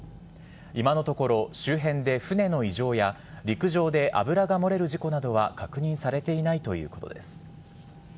今のところ周辺で船の異常や陸上で油が漏れる事故などは確認されていないということです。